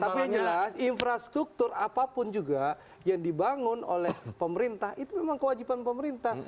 tapi yang jelas infrastruktur apapun juga yang dibangun oleh pemerintah itu memang kewajiban pemerintah